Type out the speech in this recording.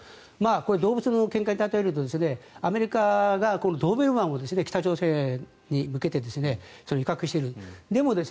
これ、動物のけんかに例えるとアメリカがこのドーベルマンを北朝鮮に向けてけんかしている。